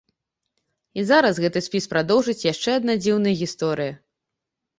І зараз гэты спіс прадоўжыць яшчэ адна дзіўная гісторыя.